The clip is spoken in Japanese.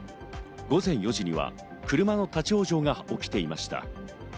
午前４時には車の立ち往生が起きていました。